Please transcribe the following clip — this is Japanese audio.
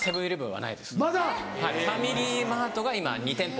はいファミリーマートが今２店舗。